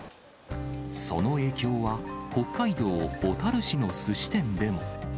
その影響は、北海道小樽市のすし店でも。